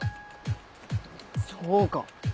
そうか！